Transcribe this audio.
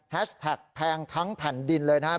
แฮชแท็กแพงทั้งแผ่นดินเลยนะ